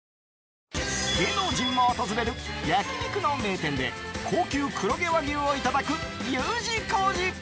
芸能人も訪れる焼き肉の名店で高級黒毛和牛をいただくＵ字工事。